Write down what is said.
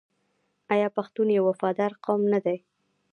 آیا پښتون یو وفادار قوم نه دی؟